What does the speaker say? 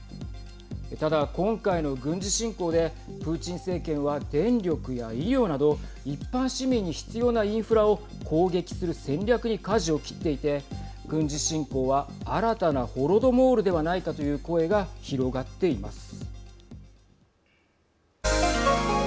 ただ、今回の軍事侵攻でプーチン政権は電力や医療など一般市民に必要なインフラを攻撃する戦略にかじを切っていて軍事侵攻は新たなホロドモールではないかという声が広がっています。